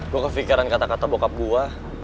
gue kepikiran kata kata bokap gue